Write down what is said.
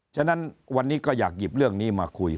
ฉะนั้นวันนี้ก็อยากหยิบเรื่องนี้มาคุย